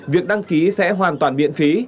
việc đăng ký sẽ hoàn toàn miễn phí